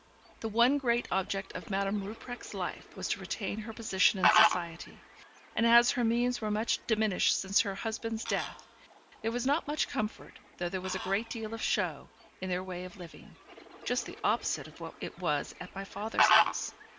The one great object of Madame Rupprecht's life was to retain her position in society; and as her means were much diminished since her husband's death, there was not much comfort, though there was a great deal of show, in their way of living; just the opposite of what it was at my father's house.